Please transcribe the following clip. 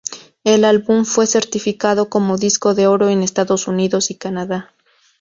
El álbum fue certificado como disco de oro en Estados Unidos y Canadá.